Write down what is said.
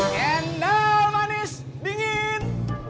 dendol manis dingin